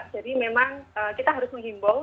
jadi memang kita harus menghimbau